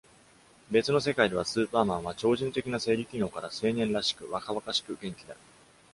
別の世界では、スーパーマンは超人的な生理機能から、青年らしく若々しく元気だ。